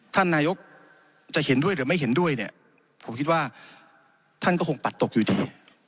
ท่านนายกจะเห็นด้วยหรือไม่เห็นด้วยเนี่ยผมคิดว่าท่านก็คงปัดตกอยู่ดี